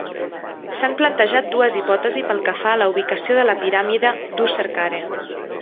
S'han plantejat dues hipòtesi pel que fa a la ubicació de la piràmide d'Userkare.